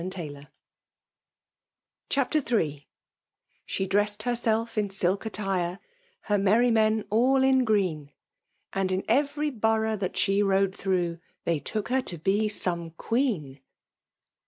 • I c3 CHAPTER IlL She dressed henelf in silk sttirei Her merry men all in gteen ; And in every borough that she rode through, They took her to be some queen.